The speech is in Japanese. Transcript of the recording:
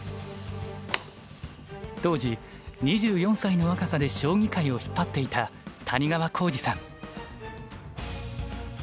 当時２４歳の若さで将棋界を引っ張っていた谷川浩司さん。